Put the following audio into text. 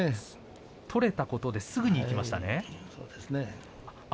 取れたことですぐにいきましたね。